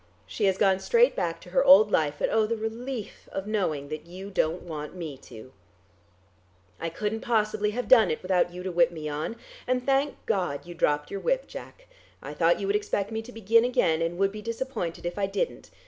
She has gone straight back to her old life, and oh, the relief of knowing that you don't want me to. I couldn't possibly have done it without you to whip me on, and thank God, you dropped your whip. Jack, I thought you would expect me to begin again, and would be disappointed if I didn't.